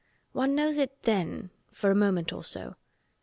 One knows it then for a moment or so.